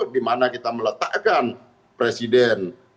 di mana kita meletakkan presiden